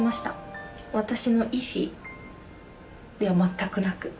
私の意志では全くなく。